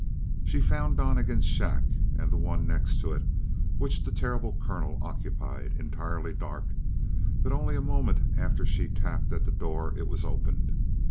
She found Donnegan's shack and the one next to it, which the terrible colonel occupied, entirely dark, but only a moment after she tapped at the door it was opened.